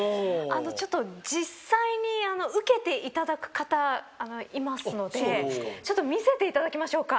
実際に受けていただく方いますので見せていただきましょうか。